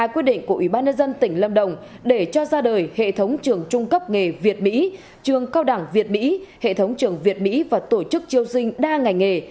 hai quyết định của ubnd tỉnh lâm đồng để cho ra đời hệ thống trường trung cấp nghề việt mỹ trường cao đẳng việt mỹ hệ thống trường việt mỹ và tổ chức triều sinh đa ngành nghề